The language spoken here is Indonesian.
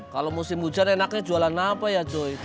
kalau musim hujan enaknya jualan apa ya joy